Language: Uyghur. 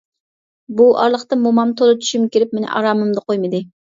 بۇ ئارىلىقتا مومام تولا چۈشۈمگە كىرىپ مېنى ئارامىمدا قويمىدى.